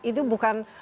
itu bukan karena kinerja